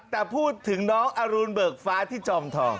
แต่พูดถึงน้องอรุณเบิกฟ้าที่จอมทอง